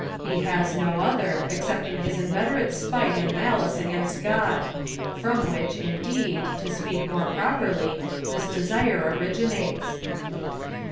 He has no other, excepting his inveterate spite and malice against God ; from which, indeed, to speak more properly, this desire originates.